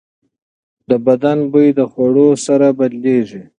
د بدن بوی د خوړو سره بدلېږي.